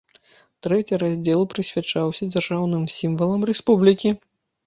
Трэці раздзел прысвячаўся дзяржаўным сімвалам рэспублікі.